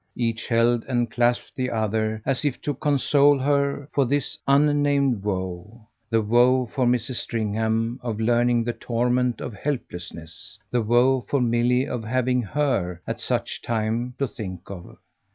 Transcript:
Each held and clasped the other as if to console her for this unnamed woe, the woe for Mrs. Stringham of learning the torment of helplessness, the woe for Milly of having HER, at such a time, to think of.